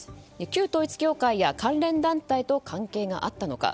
旧統一教会や関連団体と関係があったのか。